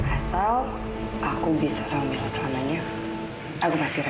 asal aku bisa sama milo selamanya aku pasti rela